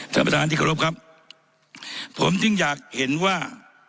ท่านประธานที่เคารพครับผมจึงอยากเห็นว่า